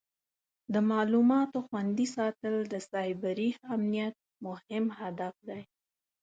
د معلوماتو خوندي ساتل د سایبري امنیت مهم هدف دی.